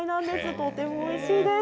とってもおいしいです。